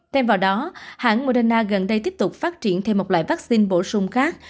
thêm vào đó hãng moderna gần đây tiếp tục phát triển thêm một loại vaccine bổ sung khác